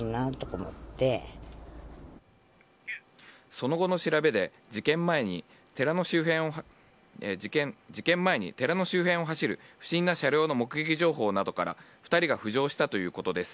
その後の調べで、事件前に寺の周辺を走る不審な車両の目撃情報などから２人が浮上したということです。